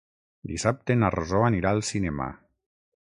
Dissabte na Rosó anirà al cinema.